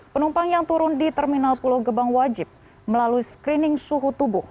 penumpang yang turun di terminal pulau gebang wajib melalui screening suhu tubuh